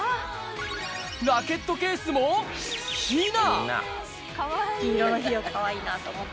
ラケットケースも、ひな。